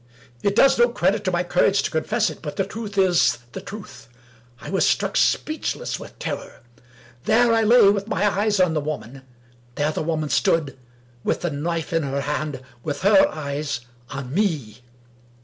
It does no credit to my courage to confess it — but the truth is the truth. I was struck speechless with terror. There I lay with my eyes on the woman ; there the woman stood (with the knife in her hand) with her eyes on me.